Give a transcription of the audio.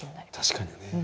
確かにね。